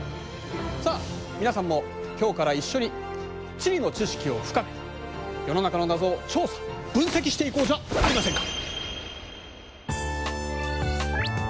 さあ皆さんも今日から一緒に地理の知識を深め世の中の謎を調査・分析していこうじゃありませんか！